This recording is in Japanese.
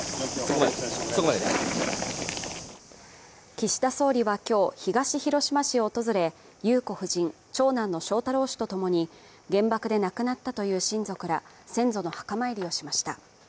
岸田総理は今日、東広島市を訪れ裕子夫人、長男の翔太郎氏と共に原爆で亡くなったという親族ら、先祖の墓参りをしました。